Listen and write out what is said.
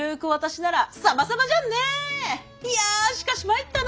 いやしかしまいったな！